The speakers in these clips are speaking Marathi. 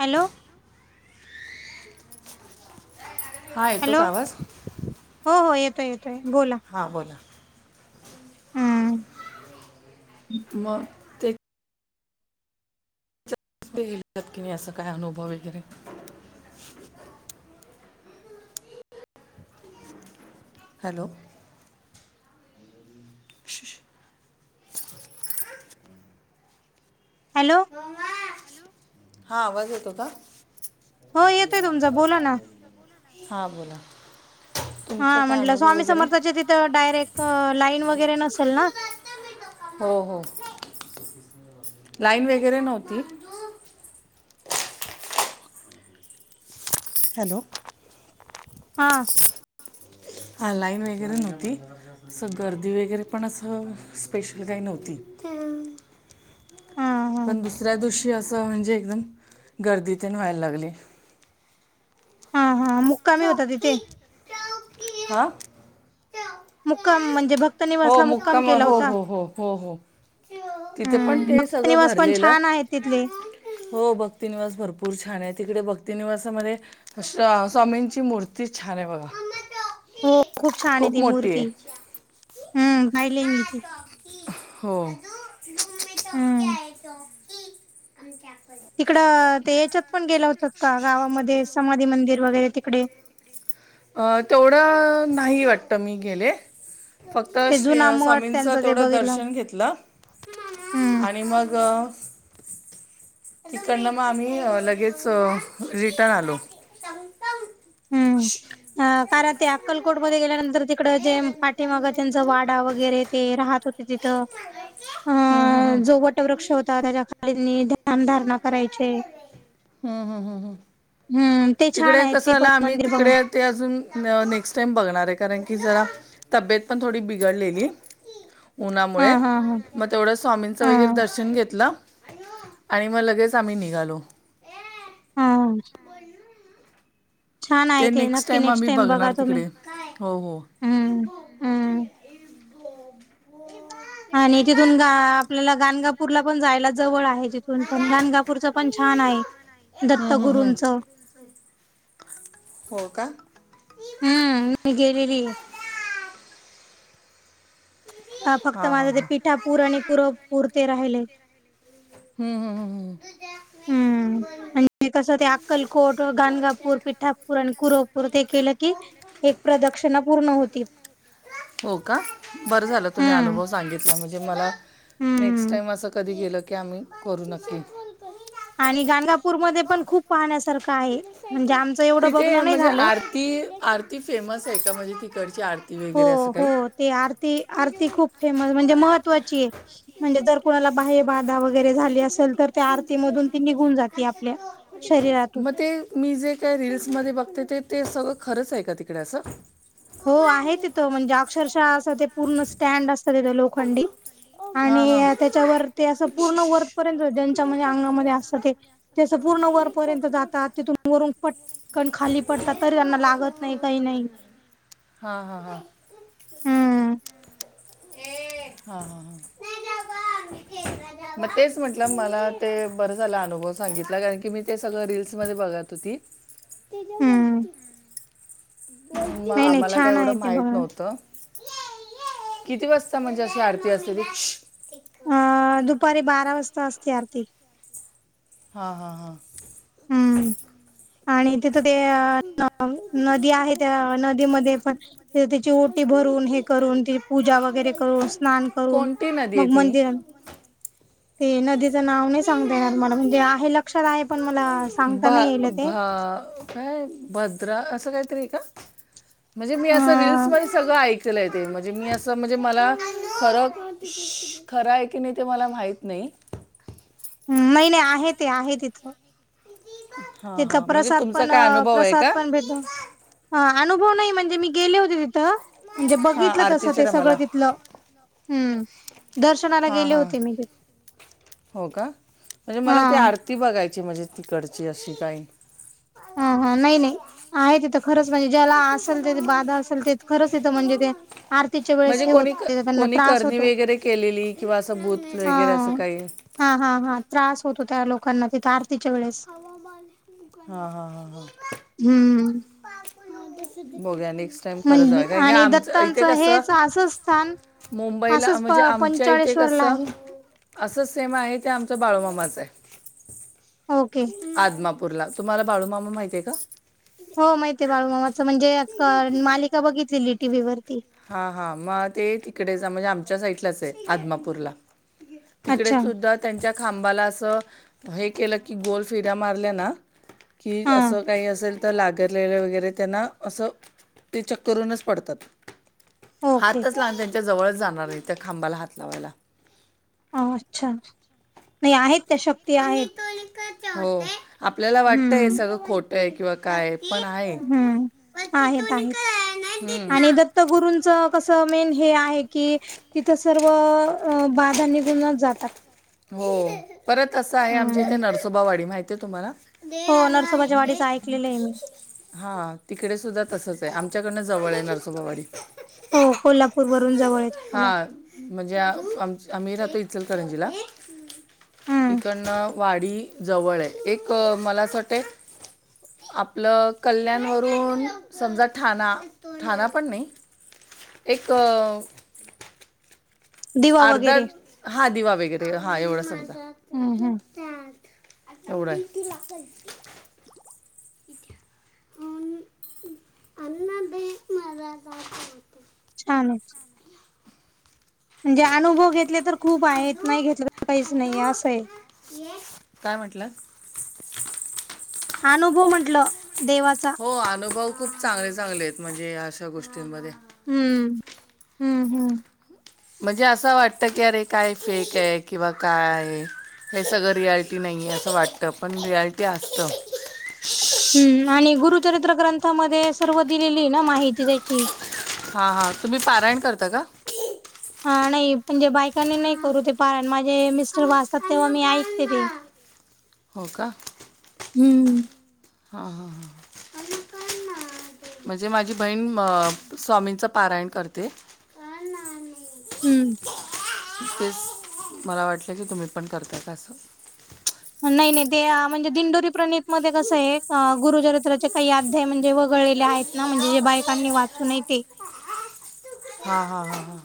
हॅलो, हा येतो हॅलो, का आवाज हो हो येतोय येतोय बोला. हां बोला! हम्म, म का नाही असा काय अनुभव वगैरे हॅलो! शु शू हॅलो! हा आवाज येतो का? हो येतोय तुमचा बोला ना. हा बोला. तुमचं हां काय म्हंटलं अनुभव स्वामी वगैरे समर्थाच्या तिथं डायरेक्ट लाईन वगैरे नसेल ना? हो हो लाईन वगैरे नव्हती. हॅलो! हा हा लाईन वगैरे नव्हती. अस गर्दी वगैरे पण असं स्पेशल काही नव्हती. हा, हा, पण दुसऱ्या दिवशी असं म्हणजे एकदम गर्दीत तेन व्हायला लागली. हा हा मुक्कामी होता तिथे? आ मुक्काम म्हणजे भक्त हो निवासला मुक्काम केला हो होता? हो हो हो हो तिथे पण हम्म ते सगळं भक्तनिवास पण छान भरलेलं आहे तिथले. हो भक्ती निवास भरपूर छान आहे तिकडे भक्ती निवासामध्ये स्वामींची मूर्ती छान आहे बघा. हो खूप छान आहे ती मोठी मूर्ती आहे हम्म पाहिले मी ती. हो! हम्म. तिकडं ते याच्यात पण गेलं होतात का गावामध्ये समाधी मंदिर वगैरे तिकडे? अ तेवढं नाही वाटत मी गेले. फक्त ते श्री जुना मठ स्वामींचं त्यांचं ते तेथोढं बघितलं. दर्शन घेतलं हम्म. आणि मग तिकडनं मग आम्ही लगेच रिटर्न आलो. [unintelligible] हम्म कारण ते अक्कलकोट मध्ये गेल्यानंतर तिकड जे पाठीमाग त्यांच वाट डा वगैरे ते राहत होते तिथ, हम्म हम्म हम्म. जो वट वृक्ष होता त्याच्या खालीनी ध्यान धारणा करायचे. हम्म हम् हम्म हम् हम्म ते छान तिकडे आहे कसं ते पण झालं आम्ही मंदिर बघ तिकडे ते अजून नेक्स्ट टाईम बघणार आहे कारण की जरा तब्येत पण थोडी बिघडलेली हा उन्हामुळे. हा हा. मग तेवढं स्वामींचं हा वगैरे दर्शन घेतलं आणि मग लगेच आम्ही निघालो. [inaudible] छान आहे ते नक्की नेक्स्ट टाइम बघा तुम्ही हो हो हम् हम्म. आणि तिथून ग आपल्याला गण गांगणापूर पण जायला जवळ आहे ति पण गंगापूरच पण छान आहे दत्त गुरूंच हो का? हम्म मी गेलेली. अ फक्त हां हां माझा ते हां पिठा पूर आणि कुरो पुरते राहिलय. हम्म हम्म हम् हम्! हम्म. [inaudible] म्हणजे कसं ते अक्कलकोट गणगापूर पिठापूर आणि कुरवपूर ते केलं की एक प्रदक्षिणा पूर्ण होती. हो का बरं झालं तुम्ही हम्म. अनुभव सांगितला म्हणजे मला नेक्स्ट हम्म. टाइम असं कधी गेलं की आम्ही करू नक्की. आणि गांगापूरमध्ये पण खूप पाहण्यासारखं आहे म्हणजे आम तिथे म्हणजे आरती आरती फेमस आहे का म्हणजे तिकडची आरती. हो वगैरे असं हो काही ते आरती आरती खूप फेमस म्हणजे महत्त्वाची आहे. म्हणजे जर कोणाला बाहेय बाधा वगैरे झाली असेल तर त्या आरतीमधून ती निघून जाते आपल्या. शरीरातून. मग ते मी जे काय रिल्स मध्ये बघते ते ते सगळं खरंच आहे का तिकडे असं? हो आहे तिथं म्हणजे अक्षरशः असं ते पूर्ण स्टँड असतं तिथं लोखंडी हा हा आणि त्याच्यावर ते असं पूर्ण वरपर्यंत ज्यांच्या म्हणजे अंगामध्ये असं ते त्यास पूर्ण वर पर्यंत जातात तिथून वरून पटकन खाली पडतात तरी त्यांना लागत नाही काही नाही. हा हा हा हम्म हा हा मग तेच म्हटलं मला ते बर झालं अनुभव सांगितला कारण की मी ते सगळ रीलस मध्ये बघत होती. हम्म म नाही नाही आम्हाला काय छान एवढं आहे ते माहित बघा नव्हतं. किती वाजता म्हणजे अशी आरती असतेती? अ दुपारी बारा वाजता असते आरती हां हां हां हम्म आणि तिथं ते नदी आहे त्या नदीमध्ये पण तिची ओटी भरून हे करून ति पूजा वगैरे करून स्नान करून कोणती नदी आहे मग ती मंदिर ते नदीच नाव नाही सांगता येणार मला म्हणजे आहे लक्षात आहे. पण मला सांगताना येल ते. ह काय भद्रा असं काहीतरी का म्हणजे मी अ असं रीलस मध्ये सगळं ऐक येते म्हणजे मी असं म्हणजे मला खरं खरं आहे की नाही ते मला माहत नाही ह महिने आहे ते आहे तिथं हा तिथका हा म्हणजे प्रसाद तुमचा पण काय अनुभव आहे प्रसाद का पण भेटो हा अनुभव नाही म्हणजे मी गेले होते तिथं म्हणजे हा बघितलं तसं आरतीच्या ते सगळं टायमाला तिथलं. हम्म दर्शनाला हा गेले हा होते मी तथे हो का म्हणजे मला हा. ती आरती बघायची म्हणजे तिकडची अशी काही. हा हा नाही नाही. आहे तिथं खरंच म्हणजे ज्याला असेल ते बाधा असेल ते खरंच तथं म्हणजे ते आरतीच्या वेळेस म्हणजे हे होत कोणी त्यांना कोणी त्रास करणी होतो वगैरे केलेली किंवा असं बूथ हा वगैरे असं काही. हा हा हा त्रास होतो त्या लोकांना तिथे आरतीच्या वेळेस ह हा हा हा हा हम्म बघ्या नेक्स्ट टाइम खरच म्हण का का आणि आमचं इथे दत्तांचं कस हेच असं स्थान मुंबईला असंच प म्हणजे आमच्या इथे पंचाळेश्वरला कसं आहे. असंच सेम आहे ते आमच बाळूमामाचं आहे ओके आदमापूरला तुम्हाला बाळूमामा माहतीय का हो माहिित आहे बाळूमामाचं म्हणजे मालिका बघितलेली टीव्ही वरती हा हा मग ते तिकडे जा म्हणजे आमच्या साईडलाच आहे आदमापूरला तिकडे अच्छा सुद्धा त्यांच्या खांबाला असं हे केलं की गोल फिऱ्या मारल्या ना की हा असं काही असेल तर लागरलेलं वगैरे त्यांना असं ते चक्करूनच पडतात ओके हातच लाव त्यांच्या जवळच जाणार आहे त्या खांबाला हात लावायला अ अच्छा नाही आहेत त्या शक्ती आहेत हो आपल्याला वाटतय हम्म सगळं खोट आहे किंवा काय पण आहे हम्म तिथ क त गुरुूंचं कसं मेन हे आहे की तिथं सर्व अ बाधा निघुूनच जातात हो परत असं आहे आमच्या हम्म इथे नरसोबावाडी माहिती आहे तुम्हाला हो नरसोबाच्या वाडीच ऐकलेलं आहे मी हा तिकडे सुद्धा तसच आहे आमच्याकडनं जवळ आहे नरसोबावाडी हो कोल्हापूर वरून जवळ आहे तुम्हाला हां म्हणजे म आम्ही राहतो इचलकरंजीला हम्म तिकडनं वाडी जवळ आहे एक मला असं वाटते. आपलं कल्याणवरून समजा ठाणा ठाणा पण नाही. एक. दिवा अर्धा वगैरे हा दिवा वगैरे हा एवढं समजा. हम्म हम्म एव्हडं. आ बक म का [unintelligible] छान म्हणजे अनुभव घेतले तर खूप आहेत नाही घेतलं तर काहीच नाही असं आहे. काय म्हटलं. अनुभव म्हंटल देवाचा हो अनुभव खूप चांगले चांगले आहेत म्हणजे या अशा गोष्टींमध्ये हम्म. हम्म हम्म. म्हणजे असं वाटतं की अरे काय फेक आहे किंवा काय आहे. हे सगळं रियालिटी नाहीये असं वाटत पण रियालिटी असत. हम्म आणि गुरुचरित्र ग्रंथामध्ये सर्व दिलेली ना माहिती त्याची हा हा तुम्ही पारायण करता का? हा नाही पणजे बायकांनी नाही करू ते पारण माझे मिस्टर वाचतात तेव्हा मी ऐकते ते हो का? हम्म. हा हा हा हा म्हणजे माझी बहीण अ स्वामींचं पारायण करते. हम्म. तेच मला वाटलं की तुम्ही पण करता का अस. नाही नाही ते म्हणजे दिंडोरी प्रणित मध्ये कसं आहे गुरुचरित्राचे काही अध्याय म्हणजे वगळलेले आहेत. ना म्हणजे जे बायकांनी वाचून नही ते. हा हा हा हा.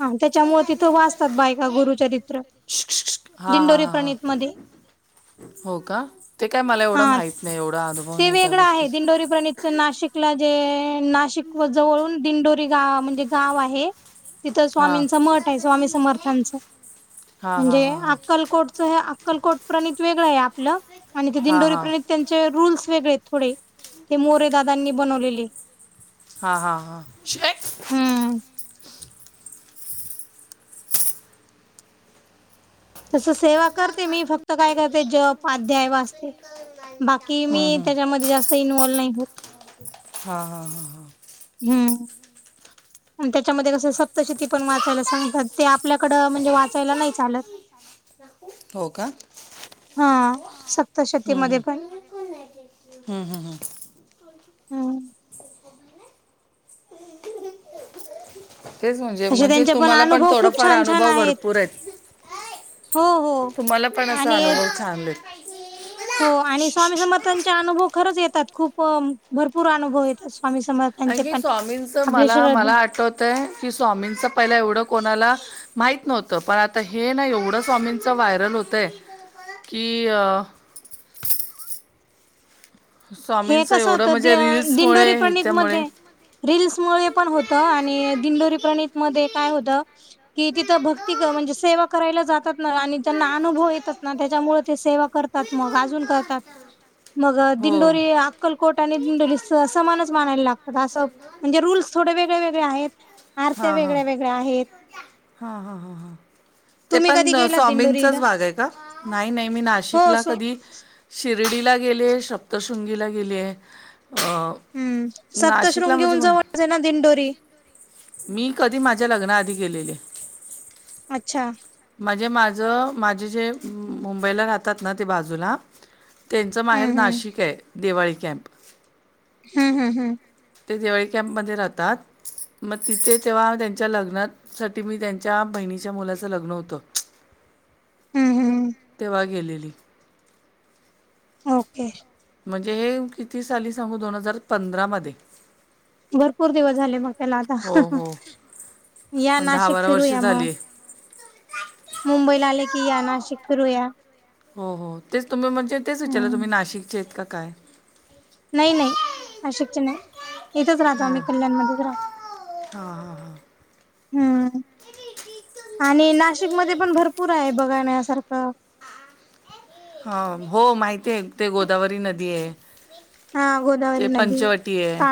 हा त्याच्यामुळे तिथं वाचतात बायका गुरुचरित्र. श्क, श्क, श्क. हां हां दिंडोरीे हां हां प्रणितमध्ये हो का ते काय मला एवढं माहित नाही एवढं अनु ते वेगळं आहे, दिंडोरी प्रणितच नाशिकला जे नाशिक जवळून दिंडो म्हणजे गाव आहे, तिथं हां स्वामींचं मठ आहे, स्वामी समर्थांचं हां हां म्हणजे अक्कलकोटचं हे अक अक्कलकोट प्रणित वेगळं आहे आपलं आणि ते हां हां दिंडोरी हां प्रणित त्यांचे रुल्स वेगळे थोडे ते मोरे दादांनी बनवलेले हा हा हा चेक्स हम्म. तसं सेवा करते, मी फक्त काय करते, जप अध्याय वाचते. बाकी हां मी तेच्यामध्ये जास्त इन्वॉल नाही होत. हा हा हा हा हम्म आणि त्याच्यामध्ये कसं सप्तशती पण वाचायला सांगतात. ते आपल्याकड म्हणजे वाचायला नाही चालत. हो का हां सप्तशतीमध्ये पण हं हं हं हम्म [inaudible] तेच म्हणजे असे म्हणजे त्यांचे तुम्हाला पण अनुभव खूप थोडफार छान छान अनुभव भरपूर आहेत. हो हो तुम्हाला पण असा आणि अनुभव छान येत. हो आणि स्वामी समर्थांचे अनुभव खरंच येतात खूप भरपूर अनुभव येत असो. आणखी स्वामींचं मला शरद मला आठवतयं की स्वामींचं पहिलं एवढं कोणाला माहीत नव्हतं पण आता हे ना एवढं स्वामींचं व्हायरल होतय. की अहं हे स्वामींचं कसं एवढं होतं दे म्हणजे दिंडोरी रील्समुळे ह्याच्यामुळे प्रणितमध्ये रील्समुळे पण होतं आणि दिंडोरी प्रणित मध्ये काय होतं. कि तिथं भक्ती म्हणजे सेवा करायला जातात ना आणि त्यांना अनुभव येतात ना त्याच्यामुळे ते सेवा करत तात मग अजून करतात. मग हो दिंडोरी अक्कलकोट आणि दिंडोली स समानच मानायला लाग असं म्हणजे रूल्स थोडे वेगळे वेगळे आहेत, आरत्या वेगळ्या वेगळ्या आहेत.. हा हा हा हा. ते तुम्ही कधी पण गेलात स्वामीचाच दिंडोरीला भाग आहे का, नाही नाही मी हो नाशिकला स कधी शिर्डीला गेलेयं सप्तशृंगीला गेलेयं अहं. हम्म सप्तशृंगीहुन जवळचं हे ना दिंडोरी. मी कधी माझ्या लग्नाआधी गेलेले. अच्छा. म्हणजे माझं माझे जे मुंबईला राहतात ना ते बाजूला तेंचं माहेर हम्म हम्म नाशिक हे देवाळे कॅम्प. हम् हम हम् ते दिवाळी कॅम्पमध्ये राहतात. मग तिथे तेव्हा त्यांच्या लग्नात साठी मी त्यांच्या बहिणीच्या मुलाच लग्न होत. हम्म हम्म तेव्हा गेलेली. ओके. म्हणजे हे किती साली सांगू दोन हजार पंधरा मध्ये. भरपूर दिवस झाले मग त्याला आता हो हो या पण दहा नाशिक बारा वर्ष फिरूया म. झाली मुंबईला आले की या नाशिक फिरूया. हो हो तेच तुम्ही म्हणजे तेच विचारलं हम्म तुम्ही नाशिकचे आहेत की काय? नही नही अशक्य नाही इथंच राहतो आम्ही कल्याणमध्ये रायं हा हा हा. हम्म. आणि नाशिकमध्ये पण भरपूर आहे बघण्यासारखं. हा हो माहितीयं ते गोदावरी नदीयं. हा गोदावरी नदी का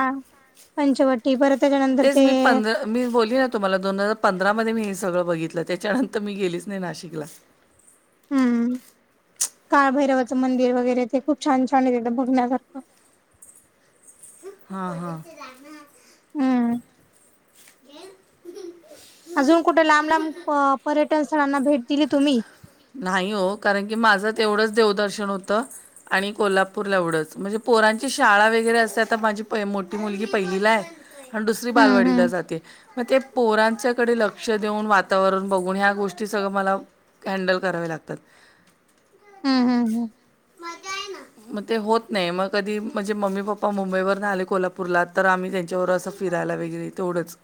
पंचवटी परत त्याच्यानंतर तेच ते मी पंधरा मी बोली ना तुम्हाला दोन हजार पंधरा मध्ये मी हे सगळं बघितलं त्याच्यानंतर मी गेलीच नाही नाशिकला. हम्म काळभैरवाचं मंदिर वगैरे ते खूप छान छान येतथं [unintelligible] बघण्यासारखं. हा हा. हम्म अजून कुठे लांब लांब पर्यटन स्थळांना भेट दिली तुम्ही. नाही हो कारण की माझं तेवढंच देवदर्शन होतं. आणि कोल्हापूरला एवढंच म्हणजे पोरांची शाळा वगैरे असते आता माझी प [unintelligible] मोठी मुलगी पहिलीला हाय. आणि दुसरी हम्म बालवाडीला हम्म जाते. मग ते पोरांच्याकडे लक्ष देऊन वातावरण बघून ह्या गोष्टी सगळं मला ह्यांडेल करावे लागतात हम्म हम्म हम्म मग ते होत नाही मग कधी म्हणजे मम्मी पप्पा मुंबईवर नाही आले कोल्हापूरला तर आम्ही त्यांच्यावर असं फिरायला वगैरे तेवढंच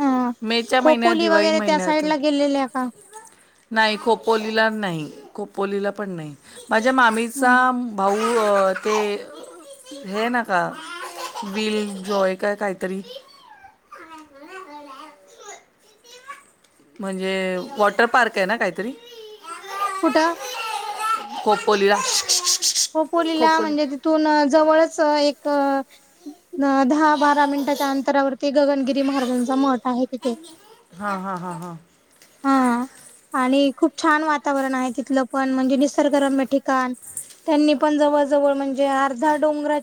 ह मेच्या महिन्यात दिवाळी महिन्यात केलेल्या का. नाही खोपोलीला नाही खोपोलीला पण नाही माझ्या मामीचा हम्म. भाऊ हो ते. हे नाका विल जॉय काय काहीतरी म्हणजे वॉटर पार्क आहे ना काहीतरी कुठं कोपोलीला कोपोलीला म्हणजे तिथून जवळच एक अ दहा बारा मिनिटाच्या अंतरावरती गगनगिरी महाराजांचा मठ आहे तिथे हा हा हा हा हा आणि खूप छान वातावरण आहे तिथलं पण म्हणजे निसर्गरम्य ठिकाण त्यांनी पण जवळ जवळ म्हणजे अर्धा डोंगराच्या